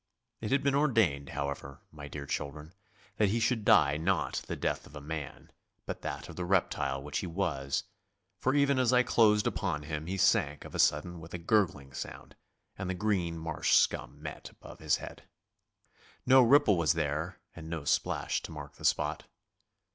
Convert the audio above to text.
It had been ordained, however, my dear children, that he should die not the death of a man, but that of the reptile which he was, for even as I closed upon him he sank of a sudden with a gurgling sound, and the green marsh scum met above his head. No ripple was there and no splash to mark the spot.